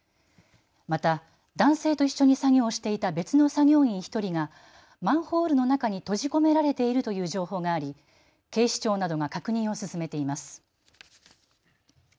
また、男性と一緒に作業していた別の作業員１人がマンホールの中に閉じ込められているという情報があり警視庁などが確認を進めています。